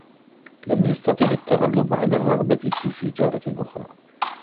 لم يستطع التغلب على الرغبة في سيجارةٍ أخرى.